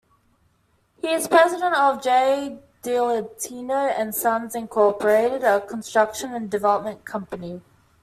He is President of J. DiGaetano and Sons Incorporated a construction and development company.